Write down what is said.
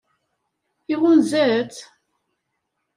Iɣunza-tt?